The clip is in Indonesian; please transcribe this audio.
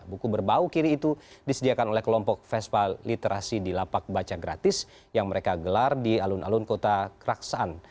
buku berbau kiri itu disediakan oleh kelompok vespa literasi di lapak baca gratis yang mereka gelar di alun alun kota keraksaan